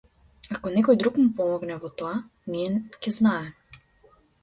Ако некој друг му помогне во тоа, ние ќе знаеме.